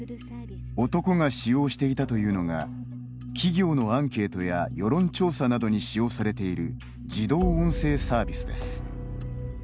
男が使用していたというのが企業アンケートや世論調査などに使用されている自動音声サービスです。